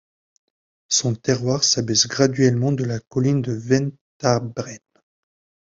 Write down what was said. Son terroir s'abaisse graduellement de la colline de Ventabren.